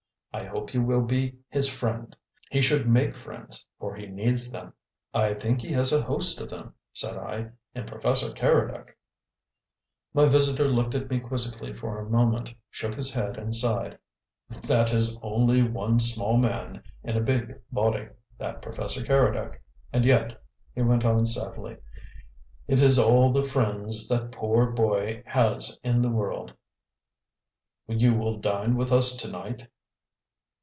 I hope you will be his friend. He should make friends, for he needs them." "I think he has a host of them," said I, "in Professor Keredec." My visitor looked at me quizzically for a moment, shook his head and sighed. "That is only one small man in a big body, that Professor Keredec. And yet," he went on sadly, "it is all the friends that poor boy has in this world. You will dine with us to night?"